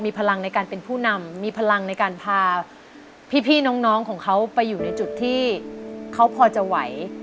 พลังในการเป็นผู้นำมีพลังในการพาพี่น้องของเขาไปอยู่ในจุดที่เขาพอจะไหว